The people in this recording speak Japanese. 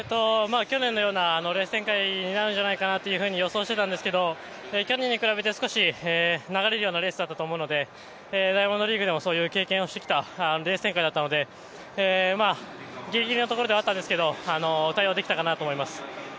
去年のようなレース展開になるんじゃないかなと予想してたんですけど、去年に比べて少し流れるようなレースだったと思うのでダイヤモンドリーグでもそういう経験をしてきたレース展開だったので、ぎりぎりのところではあったんですけど、対応できたかなと思っています。